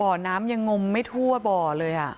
บ่อน้ำยังงมไม่ทั่วบ่อเลย